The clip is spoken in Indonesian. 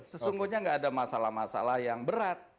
sesungguhnya nggak ada masalah masalah yang berat